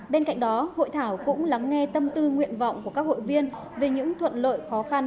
bên cạnh đó hội thảo cũng lắng nghe tâm tư nguyện vọng của các hội viên về những thuận lợi khó khăn